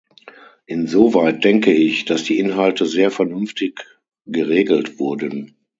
Insoweit denke ich, dass die Inhalte sehr vernünftig geregelt wurden.